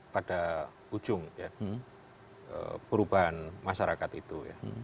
pada ujung perubahan masyarakat itu ya